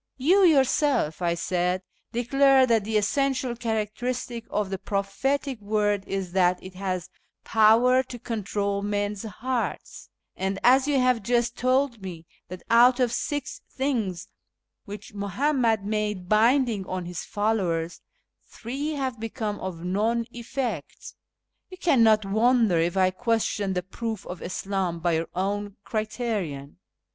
" You your self," I said, " declare that the essential characteristic of the prophetic word is that it has power to control men's hearts ; and as you have just told me that out of six things which Muhammad made binding on his followers, three have become of none effect, you cannot wonder if I question the proof of Islam by your own criterion.